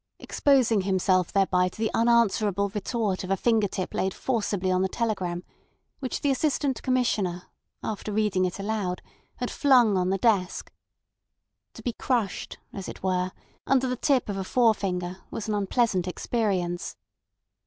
exposing himself thereby to the unanswerable retort of a finger tip laid forcibly on the telegram which the Assistant Commissioner, after reading it aloud, had flung on the desk. To be crushed, as it were, under the tip of a forefinger was an unpleasant experience.